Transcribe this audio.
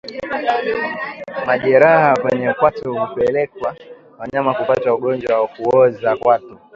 Majeraha kwenye kwato hupelekea wanyama kupata ugonjwa wa kuoza kwato